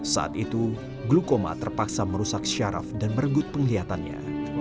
saat itu glukoma terpaksa merusak syaraf dan merenggut penglihatannya